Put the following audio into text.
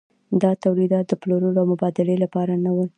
دا تولیدات د پلورلو او مبادلې لپاره نه وو.